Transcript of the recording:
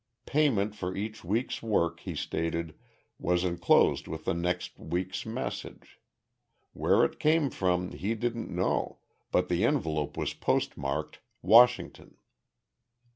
Payment for each week's work, he stated, was inclosed with the next week's message. Where it came from he didn't know, but the envelope was postmarked Washington.